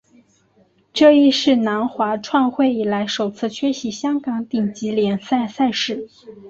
这亦是南华创会以来首次缺席香港顶级联赛赛事。